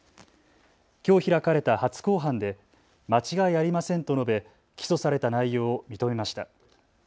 きょう開かれた初公判で間違いありませんと述べ起訴された内容を認めました。